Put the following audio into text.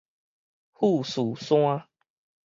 富士山